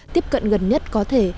tiếp cận gần nhất có thể